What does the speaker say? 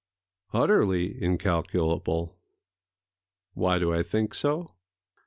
Utterly incalculable.... Why do I think so?